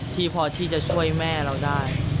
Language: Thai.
ที่พอที่จะช่วยแม่เราได้